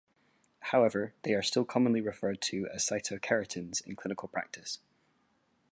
However, they are still commonly referred to as cytokeratins in clinical practice.